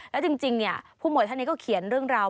แล้วจริงผู้หวยท่านนี้ก็เขียนเรื่องราว